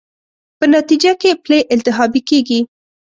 په نتېجه کې پلې التهابي کېږي.